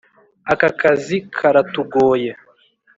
aka kazi karatugoye.